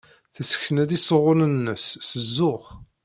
Tessken-d isɣunen-nnes s zzux.